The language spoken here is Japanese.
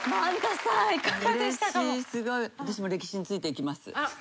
私も歴史についていきます。